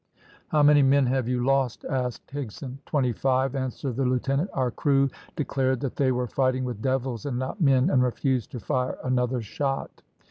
"How many men have you lost?" asked Higson. "Twenty five," answered the lieutenant. "Our crew declared that they were fighting with devils and not men, and refused to fire another shot."